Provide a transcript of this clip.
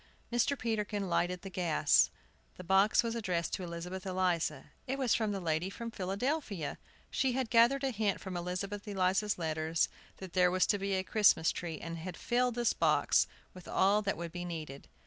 Mr. Peterkin lighted the gas. The box was addressed to Elizabeth Eliza. It was from the lady from Philadelphia! She had gathered a hint from Elizabeth Eliza's letters that there was to be a Christmas tree, and had filled this box with all that would be needed.